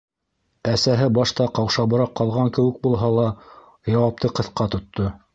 Әсәһе башта ҡаушабыраҡ ҡалған кеүек булһа ла, яуапты ҡыҫҡа тотто: